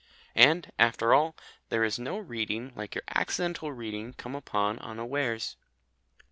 And, after all, there is no reading like your accidental reading come upon unawares.